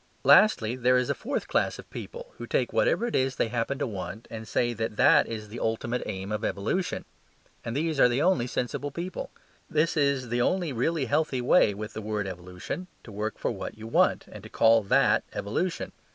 Lastly, there is a fourth class of people who take whatever it is that they happen to want, and say that that is the ultimate aim of evolution. And these are the only sensible people. This is the only really healthy way with the word evolution, to work for what you want, and to call THAT evolution.